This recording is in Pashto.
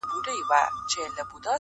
ځکه پاته جاویدانه افسانه سوم-